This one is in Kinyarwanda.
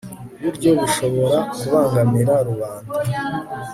buryo bushobora kubangamira rubanda